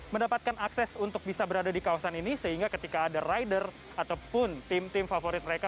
mendapatkan akses untuk bisa berada di kawasan ini sehingga ketika ada rider ataupun tim tim favorit mereka